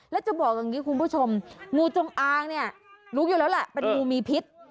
แล้วจะบอกอย่างนี้คุณผู้ชมงูจงอางเนี่ยรู้อยู่แล้วแหละเป็นงูมีพิษ